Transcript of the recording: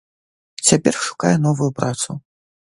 Цяпер шукае новую працу.